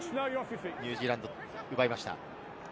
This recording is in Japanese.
ニュージーランドが奪いました。